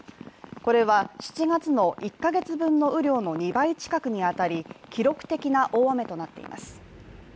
これは７月の１カ月分の雨量の２倍近くに当たり、記録的な大雨となっています。